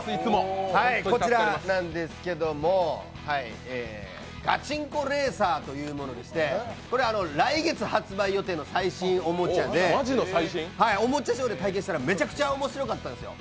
こちらなんですけど、ガチンコレーサーというものでして、来月発売予定の最新おもちゃでおもちゃショーで体験したらめちゃくちゃ面白かったんですよ。